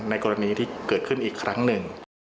กรณีที่เกิดขึ้นอีกครั้งหนึ่ง